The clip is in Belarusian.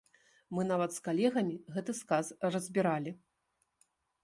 Мы нават з калегамі гэты сказ разбіралі.